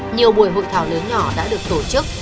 nhiều buổi hội thảo lớn nhỏ đã được tổ chức